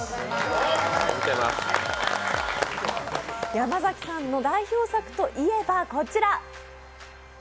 山崎さんの代表作といえばこちら。